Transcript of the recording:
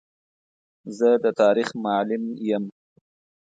زه د تاریخ معلم یم.